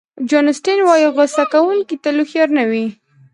جان اوسټین وایي غوصه کوونکي تل هوښیار نه وي.